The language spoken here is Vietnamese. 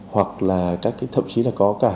hoặc là các cái thậm chí là có cả